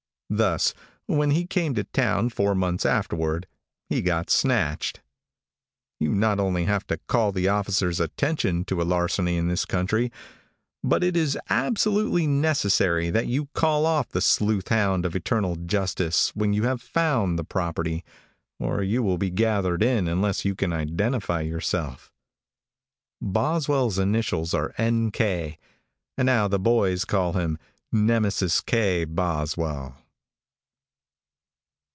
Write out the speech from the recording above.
Thus, when he came to town four months afterward, he got snatched. You not only have to call the officer's attention to a larceny in this country, but it is absolutely necessary that you call off the sleuth hound of eternal justice when you have found the property, or you will be gathered in unless you can identify yourself. Boswell's initials are N. K., and now the boys call him Nemesis K. Boswell.